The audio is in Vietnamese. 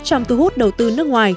trong thu hút đầu tư nước ngoài